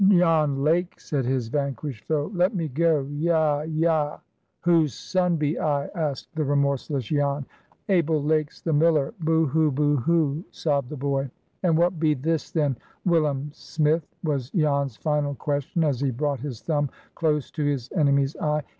"Jan Lake," said his vanquished foe. "Let me go! Yah! yah!" "Whose son be I?" asked the remorseless Jan. "Abel Lake's, the miller! Boohoo, boohoo!" sobbed the boy. "And what be this, then, Willum Smith?" was Jan's final question, as he brought his thumb close to his enemy's eye.